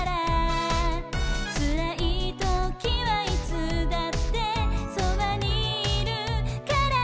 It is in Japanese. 「つらいときはいつだってそばにいるから」